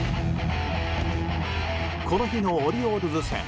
この日のオリオールズ戦。